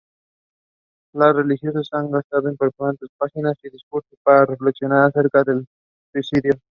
Las religiones han gastado incontables páginas y discursos para reflexionar acerca del suicidio.